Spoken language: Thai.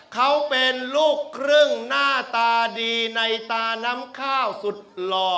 เขาเป็นลูกครึ่งหน้าตาดีในตาน้ำข้าวสุดหล่อ